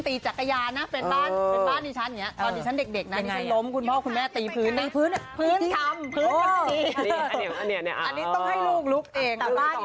ตีจักรยารเป็นบ้านที่ฉันอันนี้ฉันเด็กน่ะที่ฉันล้มคุณพ่อคุณแม่ตีพื้น